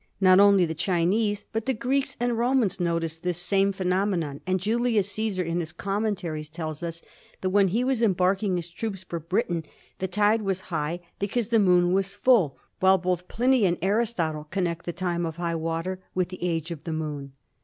Not only the Chinese but the Greeks and Romans noticed this same phenomenon,, and Julius Caesar in his "Commentaries" tells us that when he was embarking his troops for Britain the tide was high because the Moon was full, while both Pliny and Aristotle connect the time of high water with the age of the Moon.